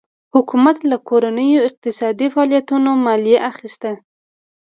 حکومت له کورنیو اقتصادي فعالیتونو مالیه اخیسته.